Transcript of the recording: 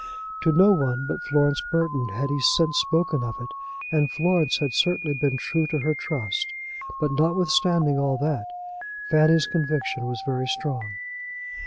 To no one but Florence Burton had he since spoken of it, and Florence had certainly been true to her trust; but, notwithstanding all that, Fanny's conviction was very strong.